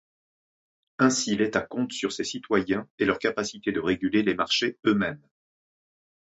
Ainsi l'état compte sur ses citoyens et leur capacité de réguler le marché eux-mêmes.